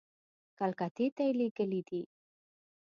کلکتې ته یې لېږلي دي.